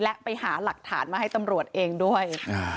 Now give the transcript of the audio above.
และไปหาหลักฐานมาให้ตำรวจเองด้วย